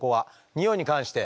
においに関して。